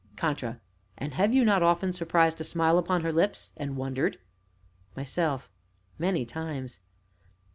CONTRA. And have you not often surprised a smile upon her lips, and wondered? MYSELF. Many times.